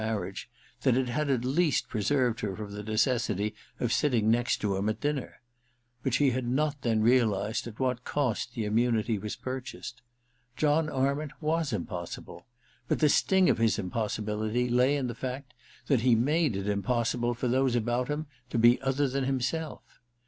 She had once said, in ironical defence of her marriage, that it had at least preserved her from the necessity of sitting next to him at dinner ; but she had not then realized at what cost the immunity was purchased. John Arment was impossible ; but the sting of his impossibility lay in the fact that he made it impossible for^ those about him to be other than himself.